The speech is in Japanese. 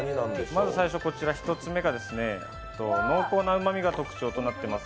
まず最初、１つ目が濃厚なうまみが特徴となっています